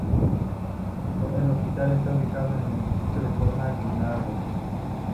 El hospital está ubicado en el distrito de Horta-Guinardó.